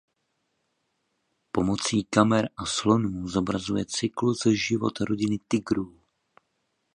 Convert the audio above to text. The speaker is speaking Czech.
Pomocí kamer a slonů zobrazuje cyklus život rodiny tygrů.